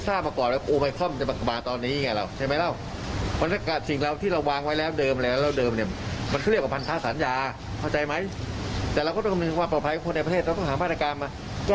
เราต้องแก้วหาทุกวิทย์ให้ได้ก่อน